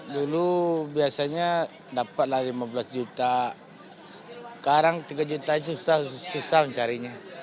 dulu biasanya dapatlah lima belas juta sekarang tiga juta aja susah susah mencarinya